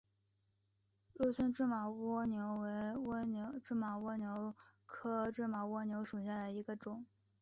鹿村芝麻蜗牛为芝麻蜗牛科芝麻蜗牛属下的一个种。